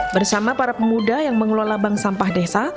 bersama para pemuda yang mengelola bank sampah desa